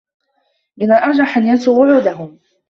من الأرجح أن ينسوا وعودهم.